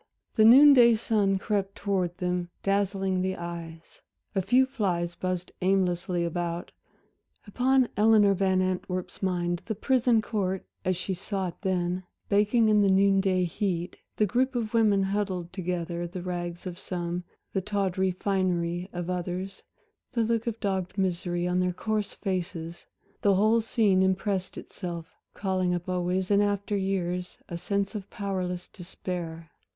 The noon day sun crept towards them, dazzling the eyes, a few flies buzzed aimlessly about. Upon Eleanor Van Antwerp's mind the prison court, as she saw it then, baking in the noon day heat the group of women huddled together, the rags of some, the tawdry finery of others, the look of dogged misery on their coarse faces the whole scene impressed itself, calling up always in after years a sense of powerless despair.